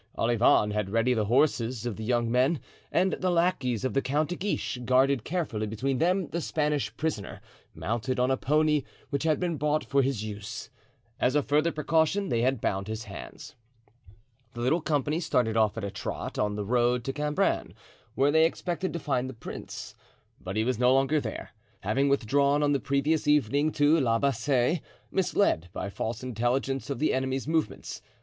Olivain had ready the horses of the young men, and the lackeys of the Count de Guiche guarded carefully between them the Spanish prisoner, mounted on a pony which had been bought for his use. As a further precaution they had bound his hands. The little company started off at a trot on the road to Cambrin, where they expected to find the prince. But he was no longer there, having withdrawn on the previous evening to La Bassee, misled by false intelligence of the enemy's movements.